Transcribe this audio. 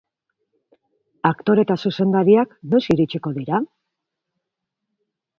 Aktore eta zuzendariak noiz iritsiko dira?